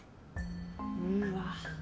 うわ。